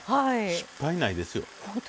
失敗ないですよ。